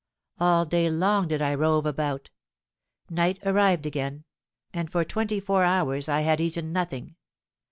All day long did I rove about: night arrived again—and for twenty four hours I had eaten nothing.